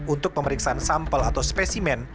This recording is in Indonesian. untuk pemeriksaan sampel atau spesimen